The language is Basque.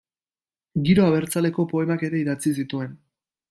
Giro abertzaleko poemak ere idatzi zituen.